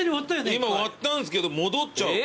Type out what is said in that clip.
今割ったんですけど戻っちゃうほら。